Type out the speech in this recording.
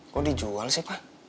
kok dijual sih pa